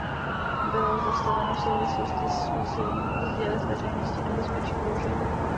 Bylo zavedeno v souvislosti s úsilím sdělit veřejnosti nebezpečí kouření.